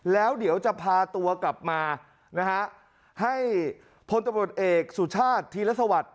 แล้วเดี๋ยวจะพาตัวกลับมานะฮะให้พลตำรวจเอกสุชาติธีรสวัสดิ